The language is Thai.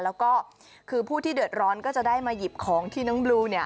แล้วก็คือผู้ที่เดือดร้อนก็จะได้มาหยิบของที่น้องบลูเนี่ย